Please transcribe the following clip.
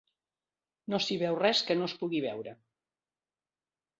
No s'hi veu res que no es pugui veure.